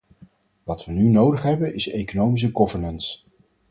Wat we nu nodig hebben is economische governance.